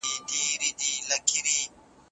ځینې خلک ناسمه پرېکړه کوي.